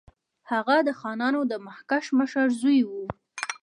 هغه د خانانو د مخکښ مشر زوی وو.